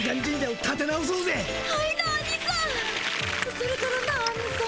それからなアニさん。